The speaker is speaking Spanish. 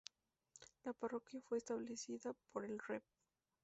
La Parroquia fue establecida por el Rev.